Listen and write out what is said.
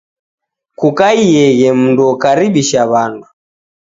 Kukaieghe mundu okaribisha w'andu